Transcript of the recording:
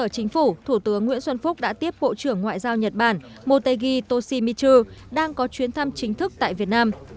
chính phủ thủ tướng nguyễn xuân phúc đã tiếp bộ trưởng ngoại giao nhật bản motegi toshimitu đang có chuyến thăm chính thức tại việt nam